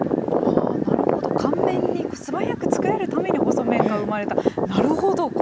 なるほど、簡便に素早く作られるために細麺が生まれた、なるほど。